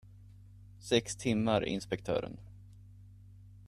Sex timmar, inspektören.